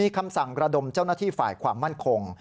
คำสั่งระดมเจ้าหน้าที่ฝ่ายความมั่นคง